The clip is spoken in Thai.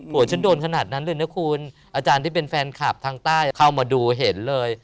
ฉันโดนขนาดนั้นเลยนะคุณอาจารย์ที่เป็นแฟนคลับทางใต้เข้ามาดูเห็นเลย